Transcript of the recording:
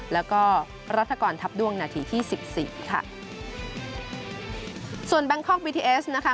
แล้วก็รัฐกรทัพด้วงนาทีที่สิบสี่ค่ะส่วนแบงคอกบีทีเอสนะคะ